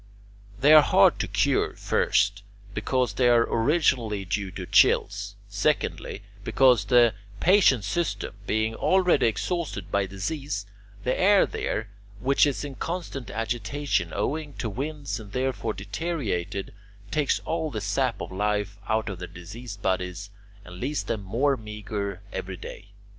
They are hard to cure, first, because they are originally due to chills; secondly, because the patient's system being already exhausted by disease, the air there, which is in constant agitation owing to winds and therefore deteriorated, takes all the sap of life out of their diseased bodies and leaves them more meagre every day.